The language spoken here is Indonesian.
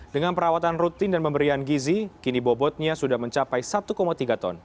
dengan perawatan rutin dan pemberian gizi kini bobotnya sudah mencapai satu tiga ton